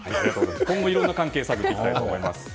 今後、いろいろな関係性を見ていきたいと思います。